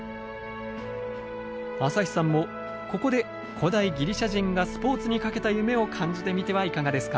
朝日さんもここで古代ギリシャ人がスポーツにかけた夢を感じてみてはいかがですか？